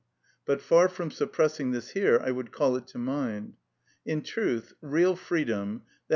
But far from suppressing this here, I would call it to mind. In truth, real freedom, _i.